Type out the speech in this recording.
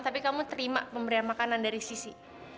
tapi kamu terima pemberian makanan dari sisi